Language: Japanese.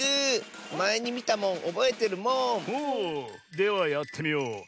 ではやってみよう。